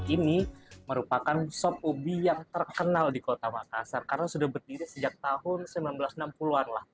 ini merupakan sop ubi yang terkenal di kota makassar karena sudah berdiri sejak tahun seribu sembilan ratus enam puluh an lah